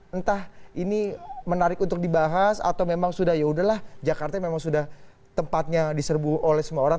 entah ini menarik untuk dibahas atau memang sudah yaudahlah jakarta memang sudah tempatnya diserbu oleh semua orang